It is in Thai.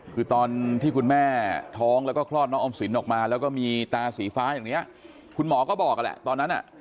คือตอนที่คุณแม่ท้องแล้วก็คลอดน้องออมสินออกมาแล้วก็มีตาสีฟ้าอย่างนี้คุณหมอก็บอกแหละตอนนั้นอ่ะ